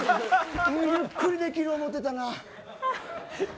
ゆっくりできる思うてたら。